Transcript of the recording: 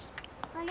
あれ？